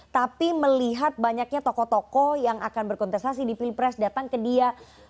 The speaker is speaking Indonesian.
tapi melihat banyaknya tokoh tokoh yang akan berkontestasi di pilpres datang ke dia